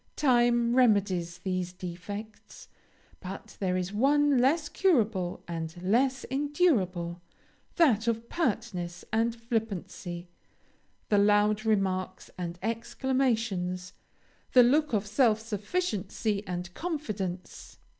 Time remedies these defects; but there is one less curable and less endurable that of pertness and flippancy the loud remarks and exclamations the look of self sufficiency and confidence.